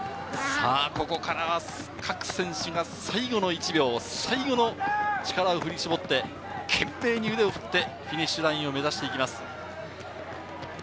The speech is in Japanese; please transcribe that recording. ここからは各選手が最後の１秒、最後の力を振り絞って、懸命に腕を振って、フィニッシュラインを目指していきます。